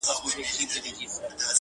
په زړه سخت په خوى ظالم لکه شداد وو.!